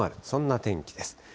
そんな天気です。